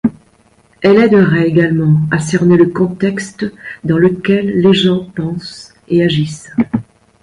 Elle aiderait également à cerner le contexte dans lequel les gens pensent et agissent.